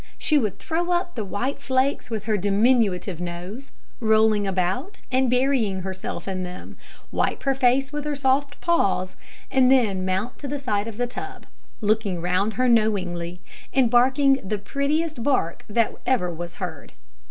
She would throw up the white flakes with her diminutive nose, rolling about and burying herself in them, wipe her face with her soft paws, and then mount to the side of the tub, looking round her knowingly, and barking the prettiest bark that ever was heard.